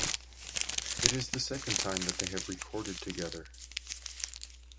It is the second time that they have recorded together.